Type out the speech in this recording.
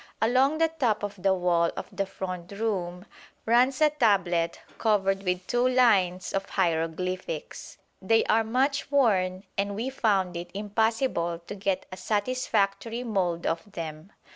Along the top of the wall of the front room runs a tablet covered with two lines of hieroglyphics. They are much worn, and we found it impossible to get a satisfactory mould of them.